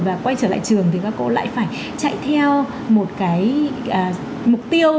và quay trở lại trường thì các cô lại phải chạy theo một cái mục tiêu